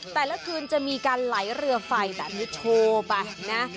แต่ละคืนจะมีการไหลเรือไฟแบบนี้โชว์ไปนะ